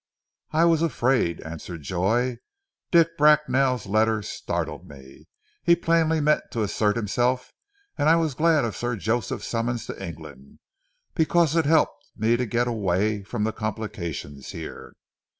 "I was afraid," answered Joy. "Dick Bracknell's letter startled me. He plainly meant to assert himself and I was glad of Sir Joseph's summons to England, because it helped me to get away from the complications here."